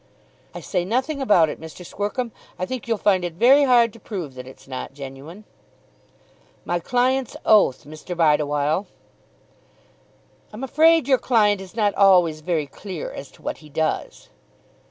"I say nothing about it, Mr. Squercum. I think you'll find it very hard to prove that it's not genuine." "My client's oath, Mr. Bideawhile." "I'm afraid your client is not always very clear as to what he does."